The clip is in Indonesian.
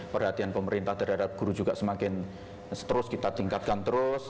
perhatian pemerintah terhadap guru juga semakin terus kita tingkatkan terus